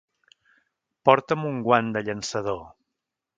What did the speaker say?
Porta'm un guant de llançador!